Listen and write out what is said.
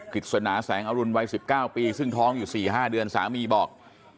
กิจสนาแสงอรุณวัย๑๙ปีซึ่งท้องอยู่๔๕เดือนสามีบอก